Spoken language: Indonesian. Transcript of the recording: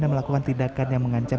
dan melakukan tindakan yang mengancam